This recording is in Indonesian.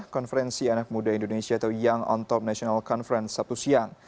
konferensi anak muda indonesia atau young on top national conference sabtu siang